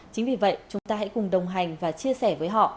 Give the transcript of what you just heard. chính vì vậy chúng ta hãy cùng đồng hành và chia sẻ với họ